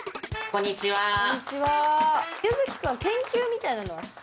こんにちは。